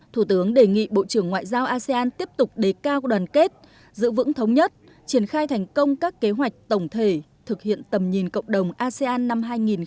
thủ tướng đề nghị bộ trưởng ngoại giao asean tiếp tục đề cao đoàn kết giữ vững thống nhất triển khai thành công các kế hoạch tổng thể thực hiện tầm nhìn cộng đồng asean năm hai nghìn hai mươi năm